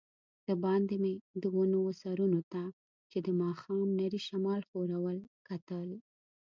دباندې مې د ونو وه سرونو ته چي د ماښام نري شمال ښورول، کتل.